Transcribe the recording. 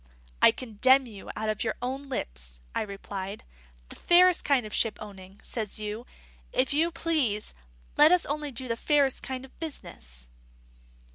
"I condemn you out of your own lips," I replied. "'The fairest kind of shipowning,' says you. If you please, let us only do the fairest kind of business."